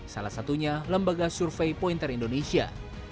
salah satunya lembaga survei pointer indonesia